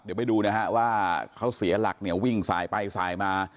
เดี๋ยวไปดูนะฮะว่าเขาเสียหลักเนี่ยวิ่งสายไปสายมา